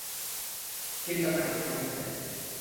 經霜三年的甘蔗，